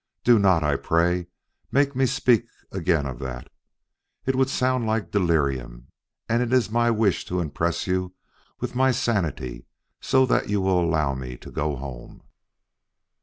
Do not, I pray, make me speak again of that. It would sound like delirium, and it is my wish to impress you with my sanity, so that you will allow me to go home."